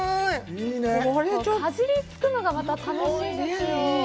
かじりつくのが楽しいんですよ。